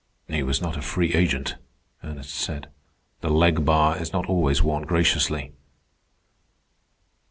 "He was not a free agent," Ernest said. "The leg bar is not always worn graciously."